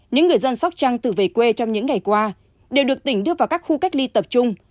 những người dân sóc trăng tự về quê trong những ngày qua đều được tỉnh đưa vào các khu cách ly tập trung